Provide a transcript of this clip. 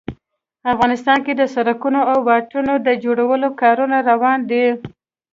افغانستان کې د سړکونو او واټونو د جوړولو کارونه روان دي